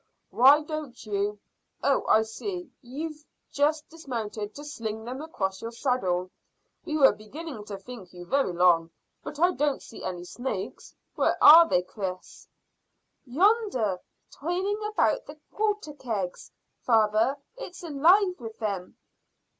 "Why don't you Oh, I see, you've just dismounted to sling them across your saddle. We were beginning to think you very long. But I don't see any snakes. Where are they, Chris?" "Yonder, twining all about the water kegs, father. It's alive with them."